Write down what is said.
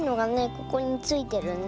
ここについてるね。